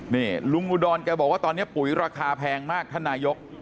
นี่ลุงอุดรแกบอกว่าตอนนี้ปุ๋ยราคาแพงมากท่านนายก